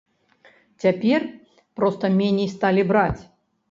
Цяпер проста меней сталі браць.